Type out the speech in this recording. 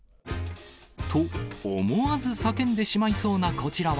と、思わず叫んでしまいそうなこちらは、